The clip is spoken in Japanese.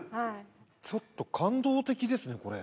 ちょっと感動的ですねこれ。